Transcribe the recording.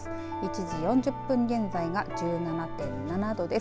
１時４０分現在は１７．７度です。